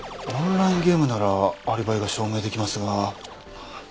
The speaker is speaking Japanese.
オンラインゲームならアリバイが証明できますが。